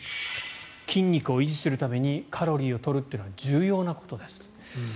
筋肉を維持するためにカロリーを取るのは重要なことです。